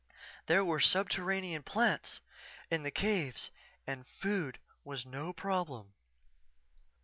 There were subterranean plants in the caves and food was no problem.